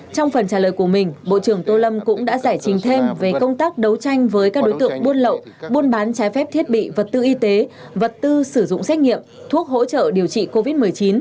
trong phần trả lời của mình bộ trưởng tô lâm cũng đã giải trình thêm về công tác đấu tranh với các đối tượng buôn lậu buôn bán trái phép thiết bị vật tư y tế vật tư sử dụng xét nghiệm thuốc hỗ trợ điều trị covid một mươi chín